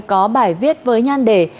có bài viết với nhan đề